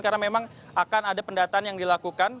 karena memang akan ada pendataan yang dilakukan